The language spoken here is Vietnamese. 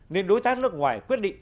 nên đối tác nước ngoài quyết định